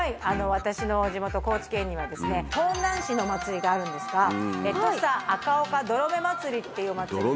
私の地元高知県には香南市のお祭りがあるんですが土佐赤岡どろめ祭りっていうお祭りで。